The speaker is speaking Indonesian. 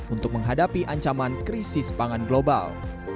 untuk menghadapi ancaman krisis pangan global